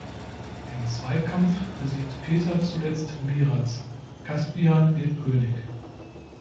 Im Zweikampf besiegt Peter zuletzt Miraz, Kaspian wird König.